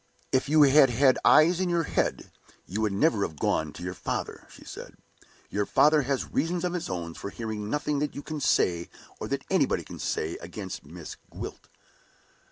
"If you had had eyes in your head, you would never have gone to your father," she said. "Your father has reasons of his own for hearing nothing that you can say, or that anybody can say, against Miss Gwilt."